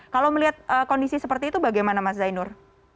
kalau melihat kondisi seperti itu bagaimana mas zainur